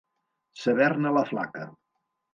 Saber-ne la flaca.